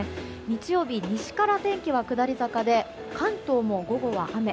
日曜日、西から天気は下り坂で、関東も午後は雨。